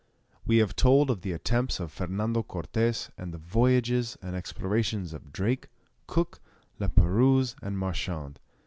We have told of the attempts of Fernando Cortes and of the voyages and explorations of Drake, Cook, La Perouse, and Marchand.